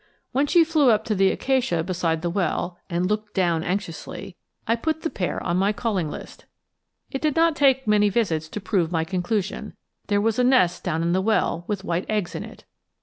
When she flew up to the acacia beside the well and looked down anxiously, I put the pair on my calling list. It did not take many visits to prove my conclusion there was a nest down in the well with white eggs in it.